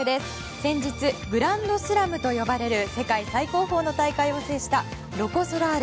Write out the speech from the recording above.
先日、グランドスラムと呼ばれる世界最高峰の大会を制したロコ・ソラーレ。